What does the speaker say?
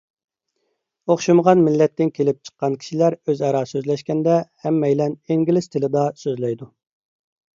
ئوخشىمىغان مىللەتتىن كېلىپ چىققان كىشىلەر ئۆزئارا سۆزلەشكەندە، ھەممەيلەن ئىنگلىز تىلىدا سۆزلەيدۇ.